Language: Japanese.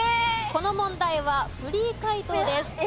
この問題はフリー解答です。